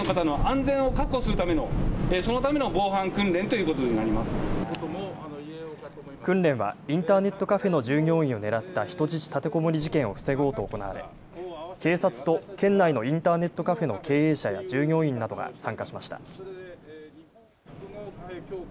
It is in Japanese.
訓練はインターネットカフェの従業員を狙った人質立てこもり事件を防ごうと行われ警察と県内のインターネットカフェの経営者や従業員などが参加しました。